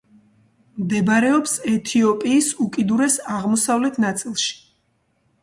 მდებარეობს ეთიოპიის უკიდურეს აღმოსავლეთ ნაწილში.